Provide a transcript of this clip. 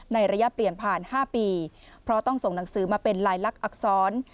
ระยะเปลี่ยนผ่าน๕ปีเพราะต้องส่งหนังสือมาเป็นลายลักษณอักษร